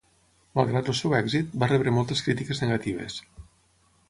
Malgrat el seu èxit, va rebre moltes crítiques negatives.